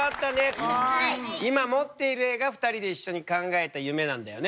今持っている絵が２人で一緒に考えた夢なんだよね。